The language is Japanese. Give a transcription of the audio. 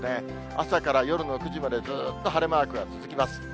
朝から夜の９時までずっと晴れマークが続きます。